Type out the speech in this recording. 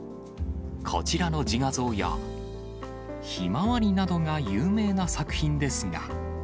こちらの自画像や、ひまわりなどが有名な作品ですが。